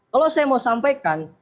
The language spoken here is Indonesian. kalau saya mau sampaikan